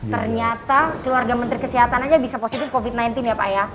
ternyata keluarga menteri kesehatan aja bisa positif covid sembilan belas ya pak ya